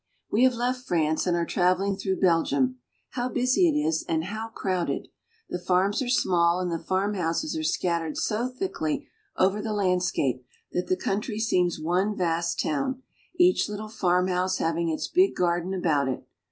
WE have left France and aretravelingthrough Belgium. How busy it is and how crowd ed ! The farms are small and the farm houses are scattered so thickly over the landscape that the country seems one vast town, each little farmhouse having its big garden about it.